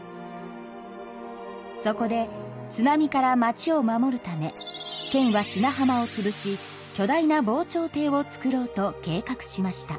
そこで津波から町を守るため県は砂浜をつぶし巨大な防潮堤を造ろうと計画しました。